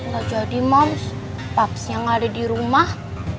gak jadi moms paps yang gak ada di rumah